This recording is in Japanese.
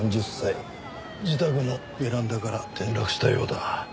自宅のベランダから転落したようだ。